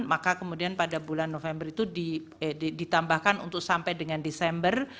maka kemudian pada bulan november itu ditambahkan untuk sampai dengan desember